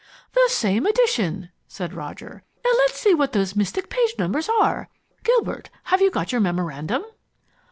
"The same edition!" said Roger. "Now let's see what those mystic page numbers are! Gilbert, have you got your memorandum?"